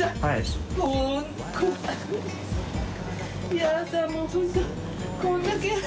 いやさもう本当これだけ。